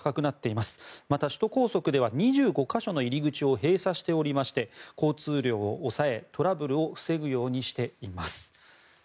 また、首都高速では２５か所の入り口を閉鎖しておりまして交通量を抑え、トラブルを防ぐようにしています。